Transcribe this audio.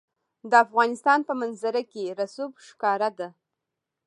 د افغانستان په منظره کې رسوب ښکاره ده.